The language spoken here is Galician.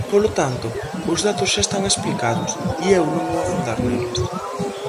Polo tanto, os datos xa están explicados e eu non vou afondar neles.